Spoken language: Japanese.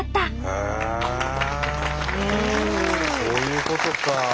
そういうことか！